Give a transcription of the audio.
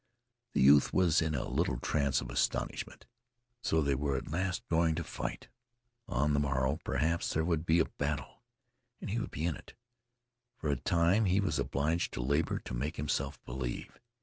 The youth was in a little trance of astonishment. So they were at last going to fight. On the morrow, perhaps, there would be a battle, and he would be in it. For a time he was obliged to labor to make himself believe.